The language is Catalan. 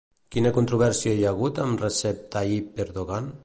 Quina controvèrsia hi ha hagut amb Recep Tayyip Erdogan?